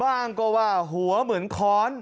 ว่างก็ว่าหัวเหมือนค้อน